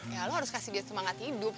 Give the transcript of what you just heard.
ya lo harus kasih dia semangat hidup